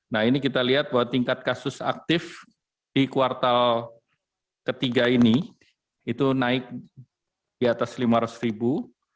nah ini kita lihat bahwa tingkat kasus aktif di kuartal ketiga ini itu naik di atas lima ratus ribu